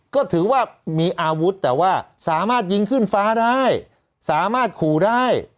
ก็ถือว่ามีอาวุธแต่ว่าสามารถยิงขึ้นฟ้าได้สามารถขู่ได้